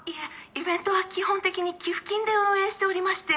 イベントは基本的に寄付金で運営しておりまして」。